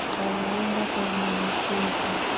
Wanaomba kwa unyenyekevu